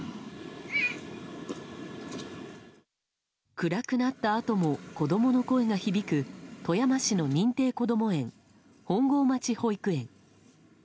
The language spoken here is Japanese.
暗くなったあとも子供の声が響く富山市の認定こども園本郷町保育園。